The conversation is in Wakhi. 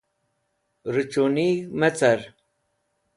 Rochunig̃h me car.